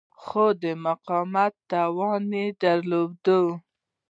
خو د مقاومت توان یې نه درلود.